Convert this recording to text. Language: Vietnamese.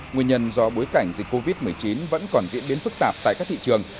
nguyên nhân do bối cảnh dịch covid một mươi chín vẫn còn diễn biến phức tạp tại các thị trường